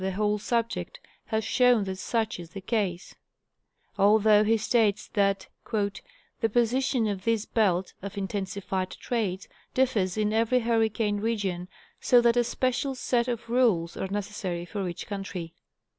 the whole subject, has shown that such is the case, although he states that "the position of this belt [of imtensified trades] dif fers in every hurricane region, so that a special set of rules are necessary for each country."